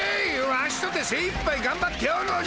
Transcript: ワシとてせいいっぱいがんばっておるのじゃ！